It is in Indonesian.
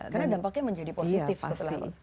karena dampaknya menjadi positif setelah waktu itu